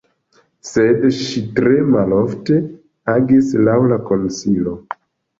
Sed ŝi tre malofte agis laŭ la konsilo!